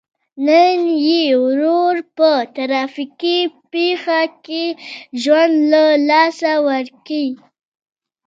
نن یې ورور په ترافیکي پېښه کې ژوند له لاسه ورکړی.